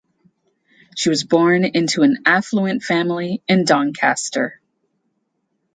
She was born into an affluent family in Doncaster.